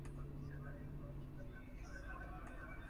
El macho es de color negro, y la hembra tiene una máscara color marrón.